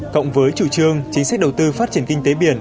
cộng với chủ trương chính sách đầu tư phát triển kinh tế biển